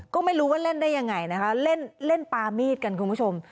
ก็ไม่รู้ว่าเล่นได้ยังไงนะคะเล่นปามีดกันคุณผู้ชม